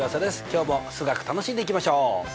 今日も数学楽しんでいきましょう。